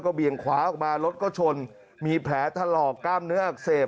เบี่ยงขวาออกมารถก็ชนมีแผลถลอกกล้ามเนื้ออักเสบ